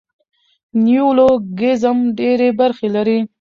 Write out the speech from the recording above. نیولوګیزم ډېري برخي لري.